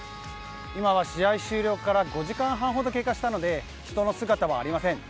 今は試合終了から５時間半ほど経過したので人の姿はありません。